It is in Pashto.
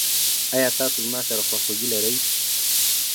ایا تاسو زما سره خواخوږي لرئ؟